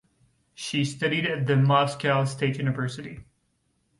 She studied at the of Moscow State University.